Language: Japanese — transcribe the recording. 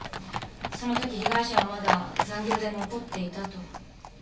そのとき被害者はまだ残業で残っていたと。